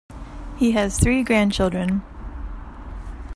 He has three grandchildren.